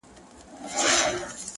د زندګۍ نه مې مـــــــــــزې اخلمه